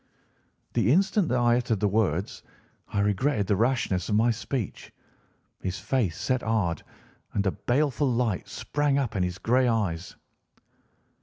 "The instant that I uttered the words I regretted the rashness of my speech. His face set hard, and a baleful light sprang up in his grey eyes.